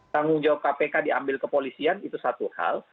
tanggung jawab kpk diambil kepolisian itu satu hal